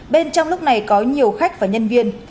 bên trong lúc này có nhiều khách và nhân viên